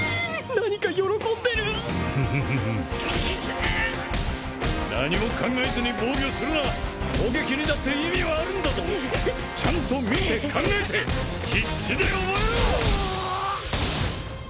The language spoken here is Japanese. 何か喜んでるフフフフ何も考えずに防御するな攻撃にだって意味はあるんだぞちゃんと見て考えて必死で覚えろ！